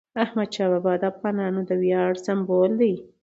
احمدشاه بابا د افغانانو د ویاړ سمبول دی.